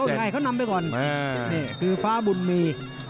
ใช่เขานำไปก่อนนี่คือฟ้าบุญมี